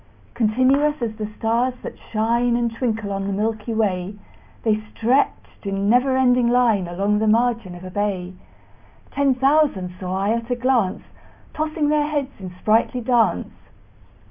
Continuous as the stars that shine And twinkle on the milky way, The stretched in never ending line Along the margin of a bay: Ten thousand saw I at a glance, Tossing their heads in sprightly dance.